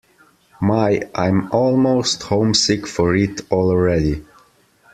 My, I'm almost homesick for it already.